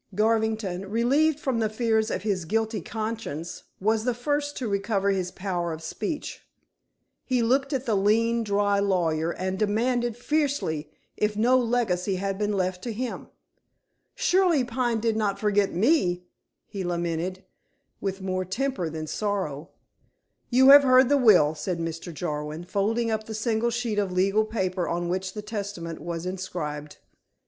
Garvington, relieved from the fears of his guilty conscience, was the first to recover his power of speech. He looked at the lean, dry lawyer, and demanded fiercely if no legacy had been left to him. "Surely Pine did not forget me?" he lamented, with more temper than sorrow. "You have heard the will," said Mr. Jarwin, folding up the single sheet of legal paper on which the testament was inscribed.